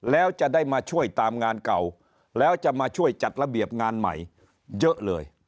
แล้วจะได้มาช่วยตามงานเก่าแล้วจะมาช่วยจัดระเบียบงานใหม่เยอะเลย